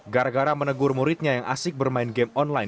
gara gara menegur muridnya yang asik bermain game online